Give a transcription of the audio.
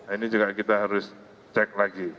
ini juga kita harus cek lagi